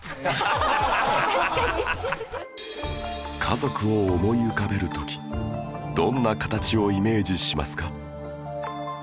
家族を思い浮かべる時どんなカタチをイメージしますか？